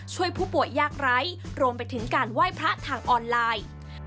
ช่วยผู้ป่วยยากไร้รวมไปถึงการไหว้พระทางออนไลน์